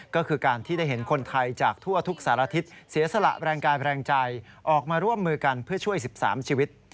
ก็คือการที่ได้เห็นคนไทยจากทั่วทุกสารทิศเสียสละแรงกายแรงใจออกมาร่วมมือกันเพื่อช่วย๑๓ชีวิต